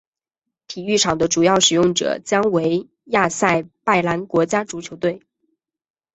体育场的主要使用者将为亚塞拜然国家足球队。